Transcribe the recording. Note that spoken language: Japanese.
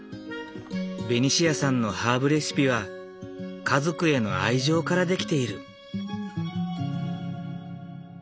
ベニシアさんのハーブレシピは家族への愛情から出来ている。